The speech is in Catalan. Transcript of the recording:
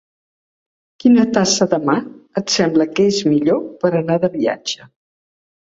Quina tassa de mà et sembla que és millor per anar de viatge?